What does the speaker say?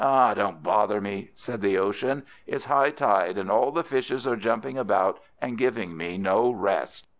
"Don't bother me," said the Ocean; "it's high tide, and all the fishes are jumping about, and giving me no rest."